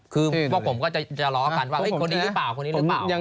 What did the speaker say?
คือพวกผมก็จะล้อกันว่าคนนี้หรือเปล่าคนนี้หรือเปล่า